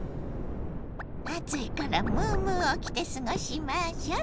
暑いからムームーを着て過ごしましょ！